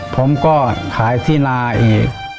ผมก็ขายที่นาอีก